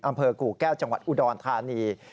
อำเภอกู่แก้วจังหวัดอุดรธานี